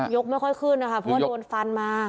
ยกไม่ค่อยขึ้นนะคะเพราะว่าโดนฟันมา